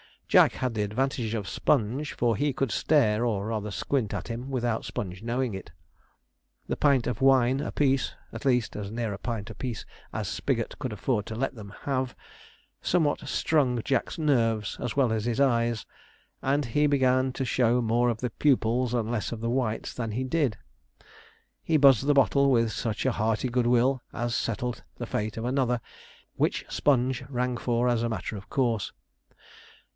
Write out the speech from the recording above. Jack had the advantage of Sponge, for he could stare, or rather squint, at him without Sponge knowing it. The pint of wine apiece at least, as near a pint apiece as Spigot could afford to let them have somewhat strung Jack's nerves as well as his eyes, and he began to show more of the pupils and less of the whites than he did. He buzzed the bottle with such a hearty good will as settled the fate of another, which Sponge rang for as a matter of course.